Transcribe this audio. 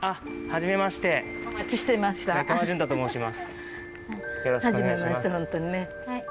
はじめまして本当にね。